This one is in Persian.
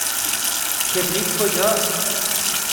کبریت کجاست؟